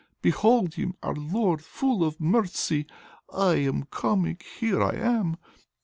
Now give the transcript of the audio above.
Behold Him, our Lord full of mercy. I am coming! Here I am!..."